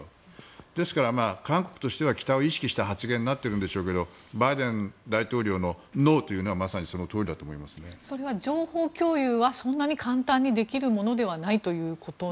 ですから、韓国としては北を意識した発言になっているんでしょうけどバイデン大統領のノーというのはそれは情報共有はそんなに簡単にできるものではないということですか。